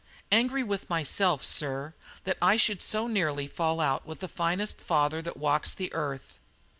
"Angry with myself, sir, that I should so nearly fall out with the finest father that walks the earth."